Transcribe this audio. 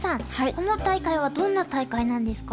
この大会はどんな大会なんですか？